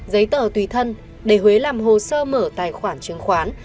giấy tờ tùy thân để huế làm hồ sơ mở tài khoản chứng khoán